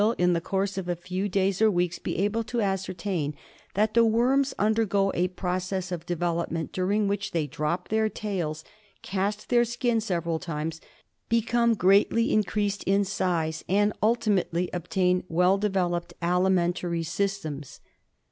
39 in the course of a few days or weeks, be able to ascertain that the worms undergo a process of development during which they drop their tails, cast their skins several times, become greatly increased in size, and ultimately obtain well developed alimentary systems.